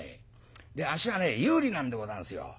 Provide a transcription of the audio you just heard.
あっしはね有利なんでござんすよ。